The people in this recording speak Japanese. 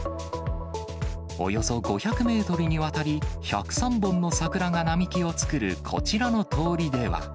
およそ５００メートルにわたり、１０３本の桜が並木を作るこちらの通りでは。